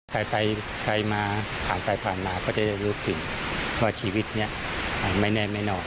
ใครไปใครมาผ่านไปผ่านมาก็จะรู้ถึงว่าชีวิตนี้ไม่แน่ไม่นอน